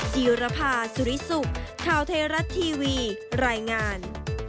จีรภาสุริสุขข่าวไทยรัฐทีวีรายงาน